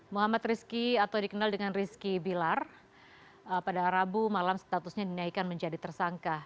muhammad rizki atau dikenal dengan rizky bilar pada rabu malam statusnya dinaikkan menjadi tersangka